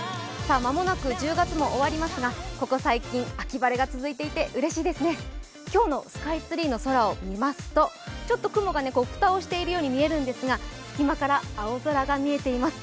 間もなく１０月も終わりますが、ここ最近、秋晴れが続いていてうれしいですね、今日のスカイツリーの空を見ますとちょっと雲が蓋をしているように見えるんですが、隙間から青空が見えています。